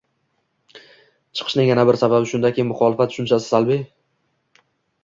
chiqishining yana bir sababi shundaki, “muxolifat” tushunchasi salbiy